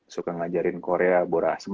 suka ngajarin korea bora asem